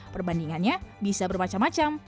perbandingannya bisa bermacam macam